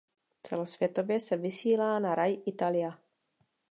Celosvětově se vysílá na Rai Italia.